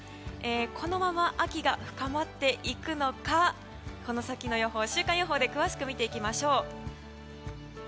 このまま、秋が深まっていくのかこの先の予報、週間予報で詳しく見ていきましょう。